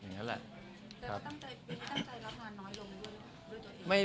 แต่ก็ไม่ได้ตั้งใจรับงานน้อยลงด้วยหรือ